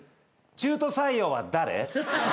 中途採用は誰？